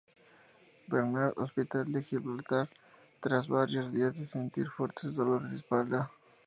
Bernard Hospital de Gibraltar, tras varios días de sentir fuertes dolores de espalda.